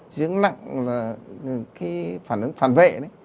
dị ứng nặng là cái phản ứng phản vệ đấy